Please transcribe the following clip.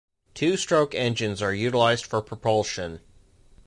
Two-stroke engines are utilized for propulsion.